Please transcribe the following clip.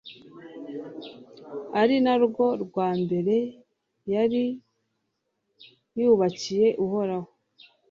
ari na rwo rwa mbere yari yubakiye uhoraho